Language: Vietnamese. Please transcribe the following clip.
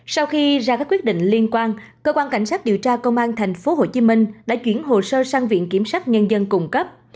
sau khi ra các quyết định liên quan cơ quan cảnh sát điều tra công an tp hcm đã chuyển hồ sơ sang viện kiểm sát nhân dân cung cấp